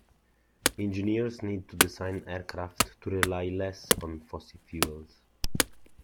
Engineers need to design aircraft to rely less on fossil fuels.